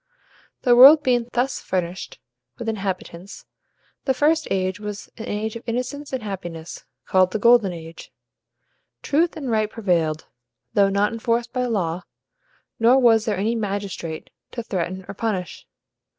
The world being thus furnished with inhabitants, the first age was an age of innocence and happiness, called the Golden Age. Truth and right prevailed, though not enforced by law, nor was there any magistrate to threaten or punish.